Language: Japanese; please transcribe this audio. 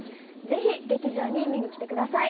ぜひ、劇場に見に来てください！